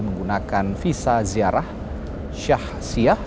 menggunakan visa ziarah syah siah